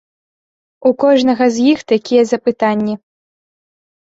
У кожнага з іх такія запытанні.